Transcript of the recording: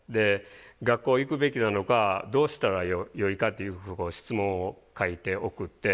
学校行くべきなのかどうしたらよいかっていう質問を書いて送って。